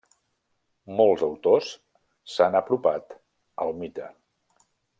Molts autors s'han apropat al mite.